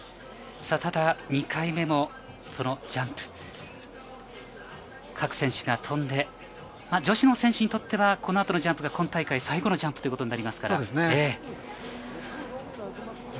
ただ２回目もジャンプ、各選手が飛んで、女子の選手にとっては、この後のジャンプが今大会最後のジャンプとなりますからね。